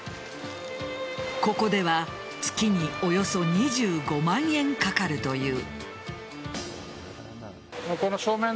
ここでは月におよそ２５万円かかるという。